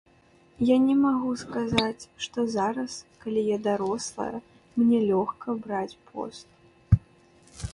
Я не магу сказаць, што зараз, калі я дарослая, мне лёгка браць пост.